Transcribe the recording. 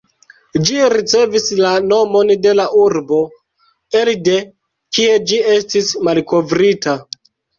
Ĝi ricevis la nomon de la urbo elde kie ĝi estis malkovrita.